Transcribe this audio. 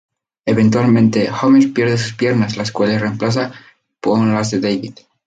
Eventualmente, Homer pierde sus piernas, las cuales reemplaza con las de David.